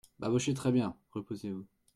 Babochet Très-bien ! reposez-vous.